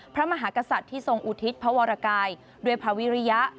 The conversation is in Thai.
พระมหากษัตริย์ที่ทรงอุทิศพระวรกายด้วยพระวิริยะ